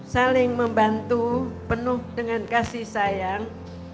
saling membantu penuh dengan kasih sayang